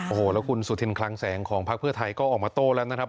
โอ้โหแล้วคุณสุธินคลังแสงของพักเพื่อไทยก็ออกมาโต้แล้วนะครับ